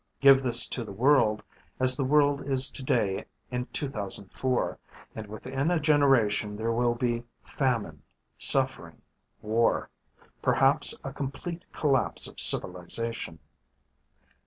"Give this to the world, as the world is today in 2004, and within a generation there will be famine, suffering, war. Perhaps a complete collapse of civilization.